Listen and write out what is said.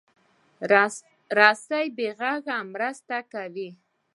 رسۍ بې غږه مرسته کوي.